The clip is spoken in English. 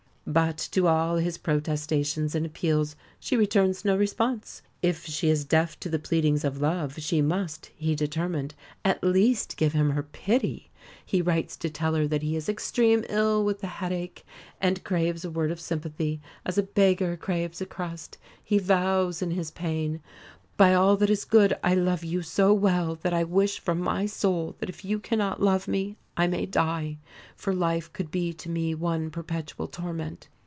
But to all his protestations and appeals she returns no response. If she is deaf to the pleadings of love she must, he determined, at least give him her pity. He writes to tell her that he is "extreme ill with the headache," and craves a word of sympathy, as a beggar craves a crust. He vows, in his pain, "by all that is good I love you so well that I wish from my soul that if you cannot love me, I may die, for life could be to me one perpetual torment.